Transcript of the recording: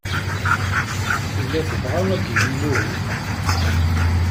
Tella tebɣa ad d-tini uhu.